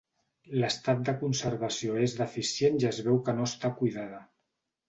L'estat de conservació és deficient i es veu que no està cuidada.